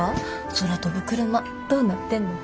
空飛ぶクルマどうなってんの？